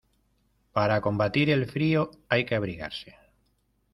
Para combatir el frío, hay que abrigarse.